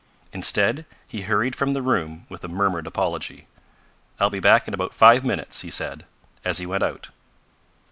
Instead he hurried from the room with a murmured apology. "I'll be back in about five minutes," he said, as he went out.